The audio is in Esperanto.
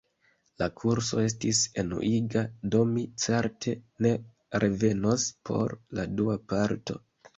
La kurso estis enuiga, do mi certe ne revenos por la dua parto.